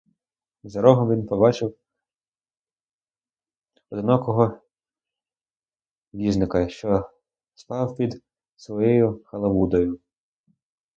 За рогом він побачив одинокого візника, що спав під своєю халабудою.